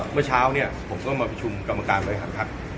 เมื่อเช้าเนี้ยผมก็มาผิดชุมกรรมการบริหารพักษณ์